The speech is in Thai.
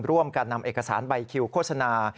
ร่วมกันนำเอกสารใบคิวโฆษณา